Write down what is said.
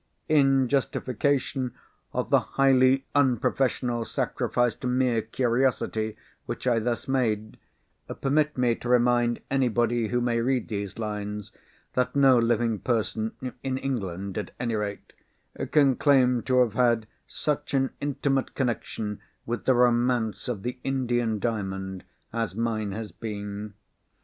In justification of the highly unprofessional sacrifice to mere curiosity which I thus made, permit me to remind anybody who may read these lines, that no living person (in England, at any rate) can claim to have had such an intimate connexion with the romance of the Indian Diamond as mine has been.